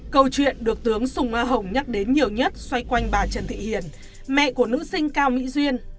câu chuyện được tướng sùng a hồng nhắc đến nhiều nhất xoay quanh bà trần thị hiền mẹ của nữ sinh cao mỹ duyên